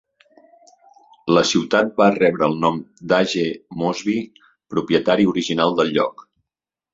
La ciutat va rebre el nom d'A. G. Mosby, propietari original del lloc.